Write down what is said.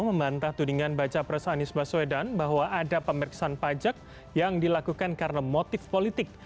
membantah tudingan baca pres anies baswedan bahwa ada pemeriksaan pajak yang dilakukan karena motif politik